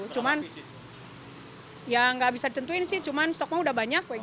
cuman ya nggak bisa ditentuin sih cuman stoknya udah banyak